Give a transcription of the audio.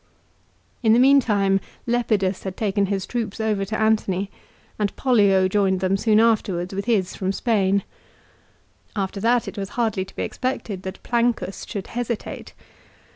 In the meantime Lepidus had taken his troops over to Antony, and Pollio joined them soon afterwards with his from Spain. After that it was hardly to be expected that Plancus should hesitate.